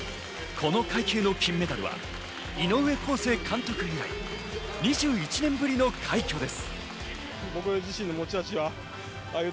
この階級の金メダルは井上康生監督以来、２１年ぶりの快挙です。